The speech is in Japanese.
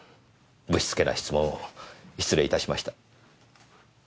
ぶしつけな質問を失礼いたしました。